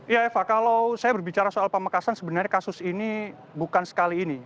ya eva kalau saya berbicara soal pamekasan sebenarnya kasus ini bukan sekali ini